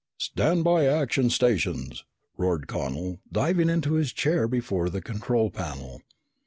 "Stand by action stations!" roared Connel, diving into his chair before the control panel.